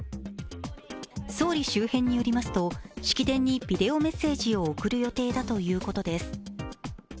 総理周辺によりますと、式典にビデオメッセージを送る予定だということです。